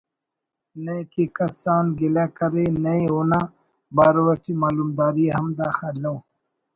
نئے کہ کس آن گلہ کرے ننے اونا بارو اٹی معلومداری ہم داخہ الَو